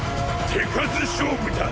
手数勝負だ。